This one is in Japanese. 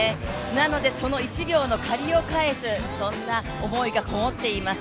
なのでその１秒の借りを返すそんな思いがこもっています。